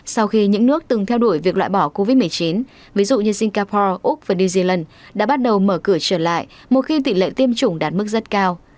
sau khi những nước từng theo đuổi việc loại bỏ covid một mươi chín ví dụ như singapore úc và new zealand đã bắt đầu mở cửa trở lại một khi tỷ lệ tiêm chủng đạt mức rất cao